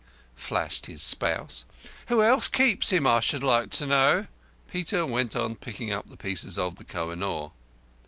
flashed his spouse. "Who else keeps him, I should like to know?" Peter went on picking up the pieces of the Koh i noor.